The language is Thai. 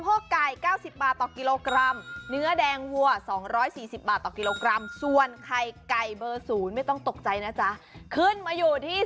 อู๋วตกใจเล็กน้อย